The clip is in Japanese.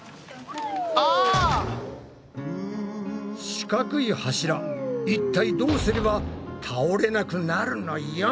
四角い柱いったいどうすれば倒れなくなるのよん！